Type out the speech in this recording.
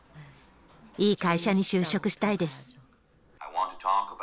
いい会社に就職したいです。